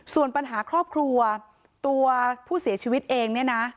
ส่วนปัญหาครอบครัวตัวผู้เสียชีวิตเองเนี่ยนะ